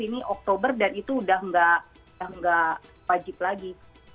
pindah ke sini oktober dan itu udah gak wajib lagi